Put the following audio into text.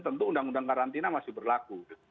tentu undang undang karantina masih berlaku